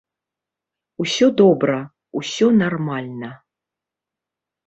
Усё добра, усё нармальна.